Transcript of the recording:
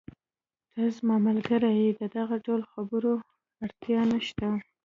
ته زما ملګری یې، د دغه ډول خبرو اړتیا نشته.